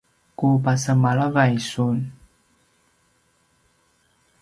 ku pasemalavay sun